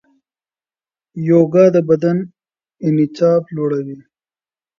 یوګا د بدن انعطاف لوړوي.